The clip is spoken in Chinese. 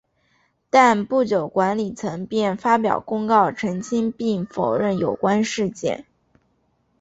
但不久管理层便发表公告澄清并否认有关事件。